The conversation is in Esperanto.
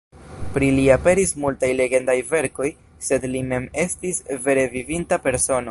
Pri li aperis multaj legendaj verkoj, sed li mem estis vere vivinta persono.